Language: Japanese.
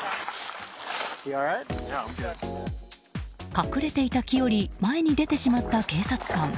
隠れていた木より前に出てしまった警察官。